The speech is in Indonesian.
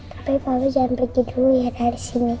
tapi kalau jangan pergi dulu ya dari sini